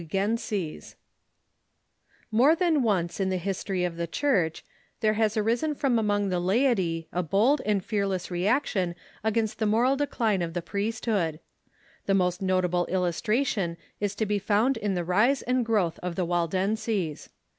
] More than once in the history of the Church there has aris en from among the laity a bold and fearless reaction against The Moral ^^^^ moral decline of the priesthood. The most nota Reaction of ble illustration is to be found in the rise and growth ^^'" of the Waldenses.